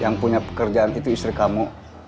yang punya pekerjaan itu istri kamu